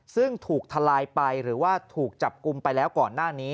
ซึ่งถูกทลายไปหรือว่าถูกจับกลุ่มไปแล้วก่อนหน้านี้